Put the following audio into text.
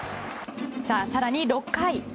更に６回。